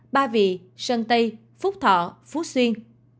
ba vị sơn tây phúc thọ phú xuyên